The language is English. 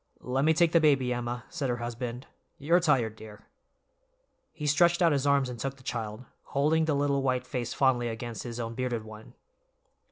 "Let me take the baby, Emma," said her husband, "you're tired, dear." He stretched out his arms and took the child, holding the little white face fondly against his own bearded one.